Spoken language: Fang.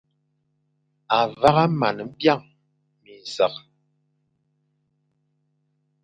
À vagha mon byañ, minsekh.